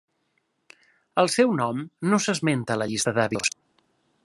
El seu nom no s'esmenta a la llista d'Abidos.